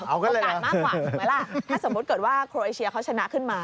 โอกาสมากกว่าถูกไหมล่ะถ้าสมมุติเกิดว่าโครเอเชียเขาชนะขึ้นมา